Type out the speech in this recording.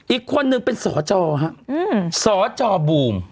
อีกคนนึงเป็นสจฮะสจบูม